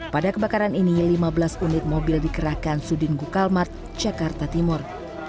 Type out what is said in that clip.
pada kebakaran ini lima belas unit mobil dikerahkan sudin gukalmat jakarta timur